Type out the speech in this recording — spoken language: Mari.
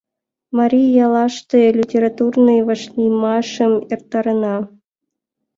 Марий яллаште литературный вашлиймашым эртаренна.